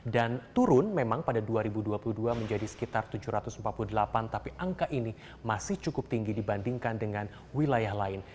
dan turun memang pada dua ribu dua puluh dua menjadi sekitar tujuh ratus empat puluh delapan tapi angka ini masih cukup tinggi dibandingkan dengan wilayah lain